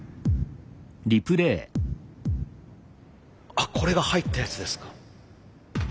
あこれが入ったやつですか。